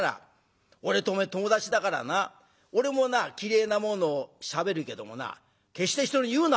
俺とおめえ友達だからな俺もな嫌えなものをしゃべるけどもな決して人に言うな！」。